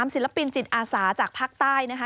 ศิลปินจิตอาสาจากภาคใต้นะคะ